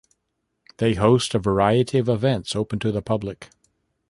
They host a variety of events open to the public.